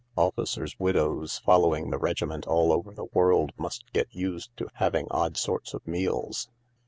Officers' widows following the regiment all over the world must get used to having odd sorts of meals.